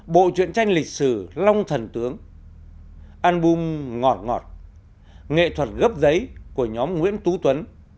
bộ truyện tranh lịch sử long thần tướng album ngọt nghệ thuật gấp giấy của nhóm nguyễn tú tuấn